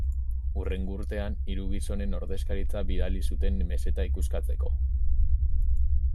Hurrengo urtean hiru gizonen ordezkaritza bidali zuten meseta ikuskatzeko.